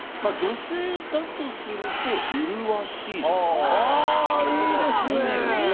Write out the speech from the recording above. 女性だとすると、「麗しい」いいですね。